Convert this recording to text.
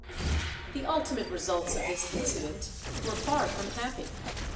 The ultimate results of this incident were far from happy.